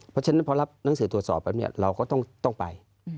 เพราะฉะนั้นพอรับหนังสือตรวจสอบแบบนี้เราก็ต้องไป